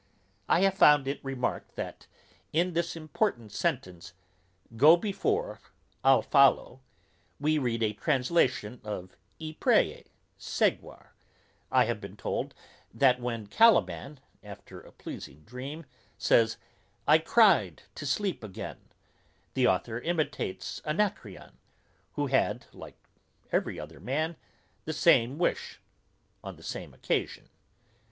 I have found it remarked, that, in this important sentence, Go before, I'll follow, we read a translation of, I prae, sequar. I have been told, that when Caliban, after a pleasing dream, says, I cry'd to sleep again, the authour imitates Anacreon, who had, like every other man, the same wish on the same occasion.